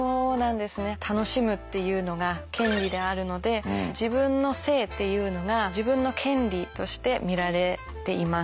楽しむっていうのが権利であるので自分の性っていうのが自分の権利として見られています。